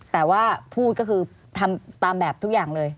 แต่ว่าพูดก็คือทำตามแบบทุกอย่างเลย